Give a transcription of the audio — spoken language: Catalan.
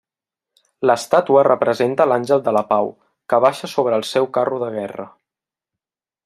L'estàtua representa l'Àngel de la Pau que baixa sobre el seu carro de guerra.